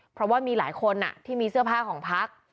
เพราะว่ามีหลายคนที่มีเสื้อผ้าของพัก